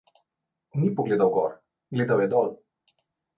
Ni pogledal gor, gledal je dol.